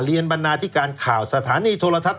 เหลียนบันนาธิการข่าวสถานีโทรทัศน์